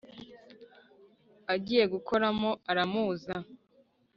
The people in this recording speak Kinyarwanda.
agiye gukoramo aramuza